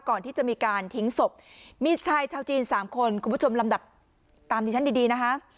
ก่อนที่จะมีการทิ้งศพมีชายชาวจีนสามคนคุณผู้ชมลำดับตามที่ฉันดีดีนะคะ